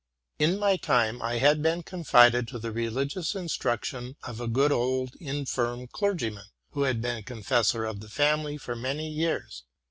In my time I had been confided to the religious instruction of a good old infirm clergyman, who had been confessor of the family for many years.